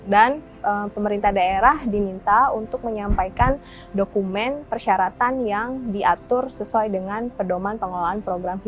dan pemerintah daerah diminta untuk menyampaikan dokumen persyaratan yang diatur sesuai dengan pedoman pengelolaan program hibah